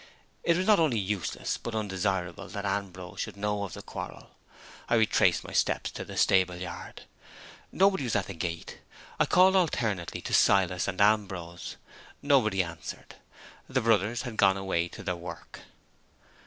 It was not only useless, but undesirable, that Ambrose should know of the quarrel. I retraced my steps to the stable yard. Nobody was at the gate. I called alternately to Silas and to Ambrose. Nobody answered. The brothers had gone away to their work.